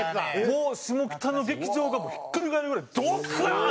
もう下北の劇場がひっくり返るぐらいドカーン！